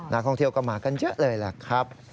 นักท่องเที่ยวก็มากันเยอะเลยแหละครับ